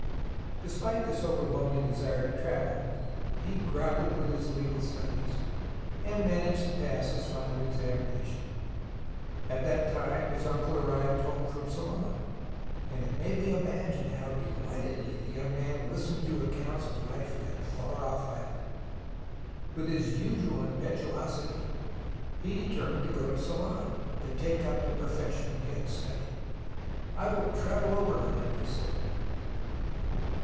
Despite this overwhelming desire to travel, he grappled with his legal studies, and managed to pass his final examination. At that time his uncle arrived home from Ceylon, and it may be imagined how delightedly the young man listened to accounts of life in that far off island. With his usual impetu osity he determined to go to Ceylon, to take up the profession he had studied. " I will travel overland," he said.